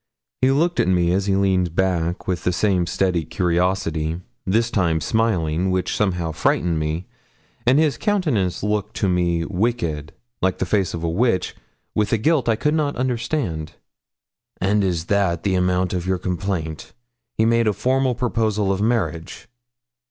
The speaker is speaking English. He looked at me as he leaned back with the same steady curiosity, this time smiling, which somehow frightened me, and his countenance looked to me wicked, like the face of a witch, with a guilt I could not understand. 'And that is the amount of your complaint. He made you a formal proposal of marriage!'